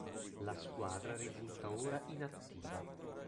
La squadra risulta ora inattiva.